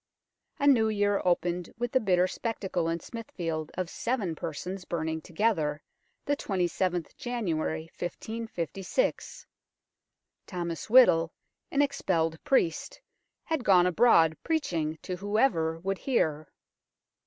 A new year opened with the bitter spectacle in Smithfield of seven persons burning together, the 27th January 1556. Thomas Whittle, an expelled priest, had gone abroad preaching to whoever would hear.